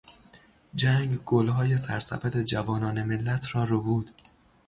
جنگ گلهای سرسبد جوانان ملت را ربود.